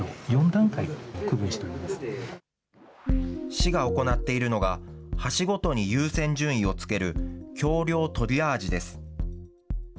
市が行っているのが、橋ごとに優先順位をつける橋りょうトリアージです。